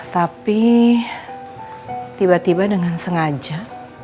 tapi tiba tiba dengan sengaja